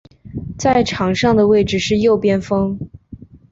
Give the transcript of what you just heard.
在场上的位置是右边锋。